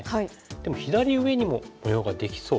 でも左上にも模様ができそう。